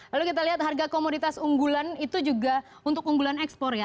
lalu kita lihat harga komoditas unggulan itu juga untuk unggulan ekspor ya